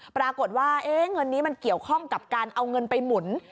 ปรากฏว่าเงินนี้มันเกี่ยวข้องกับการเอาเงินไปหมุน